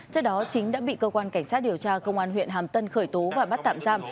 trước đó chính đã bị cơ quan cảnh sát điều tra công an huyện hàm tân khởi tố và bắt tạm giam